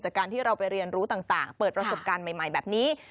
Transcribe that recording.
จากการที่เราไปเรียนรู้ต่างเปิดประสบการณ์ใหม่แบบนี้